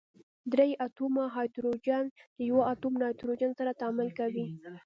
درې اتومه هایدروجن د یوه اتوم نایتروجن سره تعامل کوي.